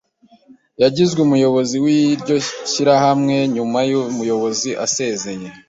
yagizwe umuyobozi w'iryo shyirahamwe nyuma yuko umuyobozi asezeye.